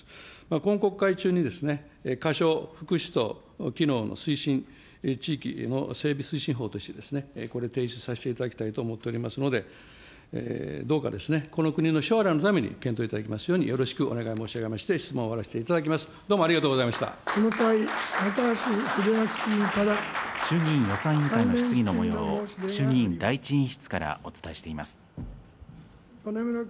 今国会中に、福祉と機能の推進、地域の整備推進法としてこれ、提出させていただきたいと思っておりますので、どうか、この国の将来のために検討いただきますように、よろしくお願い申し上げまして、質問を終わらせていただきます、衆議院予算委員会の質疑のもようを、衆議院第１委員室からお伝えしています。